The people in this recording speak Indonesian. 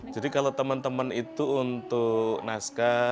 jadi kalau teman teman itu untuk naskah